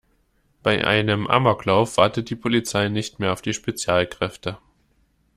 Bei einem Amoklauf wartet die Polizei nicht mehr auf die Spezialkräfte.